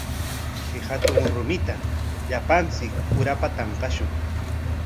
Kay hatun rumita llapanchik urapa tanqashun.